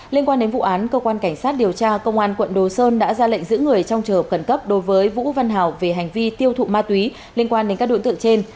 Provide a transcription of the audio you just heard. liên quan đến vụ án công an quận đồ sơn đã ra lệnh giữ người trong trợ khẩn cấp đối với vũ văn hảo về hành vi tiêu thụ ma túy liên quan đến các đối tượng trên